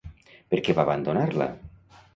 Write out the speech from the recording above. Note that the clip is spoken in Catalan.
Per què va abandonar-la?